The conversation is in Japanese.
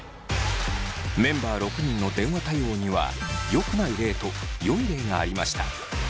メンバー６人の電話対応にはよくない例とよい例がありました。